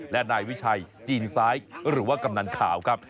และนายวิชัยจีนซ้ายหรือว่ากำนันขาวครับ